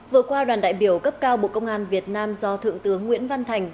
vừa qua đoàn đại biểu cấp cao bộ công an việt nam do thượng tướng nguyễn văn thành